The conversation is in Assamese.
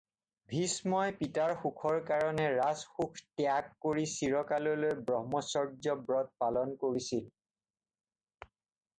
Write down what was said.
ভীষ্মই পিতাৰ সুখৰ কাৰণে ৰাজ-সুখ ত্যাগ কৰি চিৰকাললৈ ব্ৰহ্মচৰ্য্য ব্ৰত পালন কৰিছিল